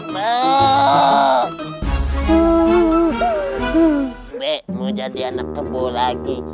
mbak mau jadi anak tebu lagi